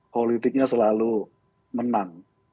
politiknya selalu menang